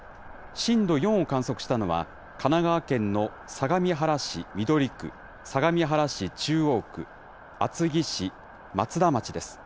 震度４を観測したのは、神奈川県の相模原市緑区、相模原市中央区、厚木市、松田町です。